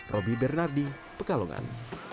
robby bernardi pekalongan